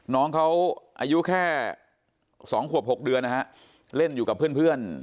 น้องเขาอายุแค่สองขวบหกเดือนนะฮะเล่นอยู่กับเพื่อนเพื่อน